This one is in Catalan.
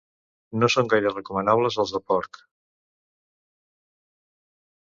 No són gaire recomanables els de porc